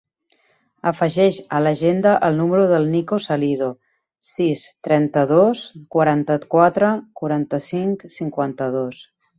Afegeix a l'agenda el número del Nico Salido: sis, trenta-dos, quaranta-quatre, quaranta-cinc, cinquanta-dos.